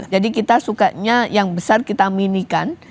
jadi kita sukanya yang besar kita minikan